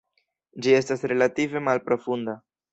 Ĝi estas relative malprofunda.